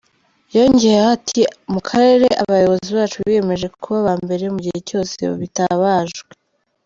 Yongeyeho ati “Mu karere abayobozi bacu biyemeje kuba aba mbere mu gihe cyose bitabajwe”.